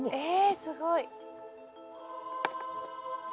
えすごい。